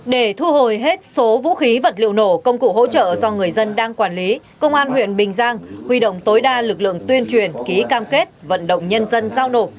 để thu hồi hết số vũ khí vật liệu nổ công cụ hỗ trợ do người dân đang quản lý công an huyện bình giang quy động tối đa lực lượng tuyên truyền ký cam kết vận động nhân dân giao nổ